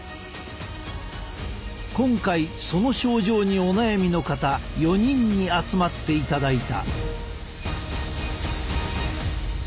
今回その症状にお悩みの方４人に集まっていただいた。